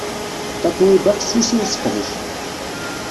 Tatoeba fessus i usseqdec.